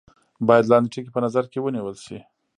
باید لاندې ټکي په نظر کې ونیول شي.